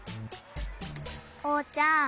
おうちゃん